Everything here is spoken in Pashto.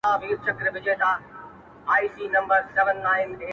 دا رکم ـ رکم در پسې ژاړي_